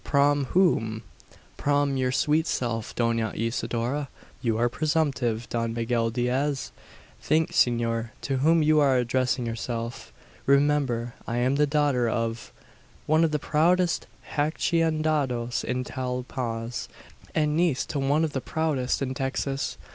"Prom whom?" "Prom your sweet self, Dona Isidora." "You are presumptive, Don Miguel Diaz! Think, Senor, to whom you are addressing yourself. Remember, I am the daughter of " "One of the proudest Haciendados in Tamaulipas, and niece to one of the proudest in Texas.